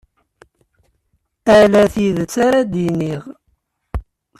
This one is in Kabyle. Ala tidet ara d-iniɣ.